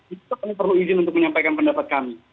itu izin untuk menyampaikan pendapat kami